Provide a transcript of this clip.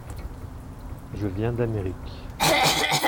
Je viens d’Amérique.